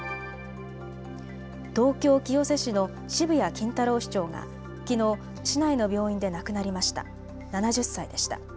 東京清瀬市の渋谷金太郎市長がきのう市内の病院で亡くなりました。